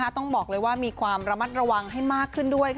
ต้องบอกเลยว่ามีความระมัดระวังให้มากขึ้นด้วย